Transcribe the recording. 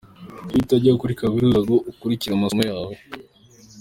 Kuki utajya kuri kaminuza ngo ukurikire amasomo yawe?